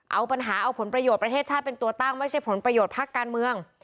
เอาปัญหาเอาผลประโยชน์ประเทศชาติเป็นตัวตั้งไม่ใช่ผลประโยชน์ภาคการเมือง